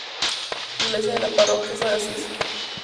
Iglesia de la Parroquia San Francisco de Asís.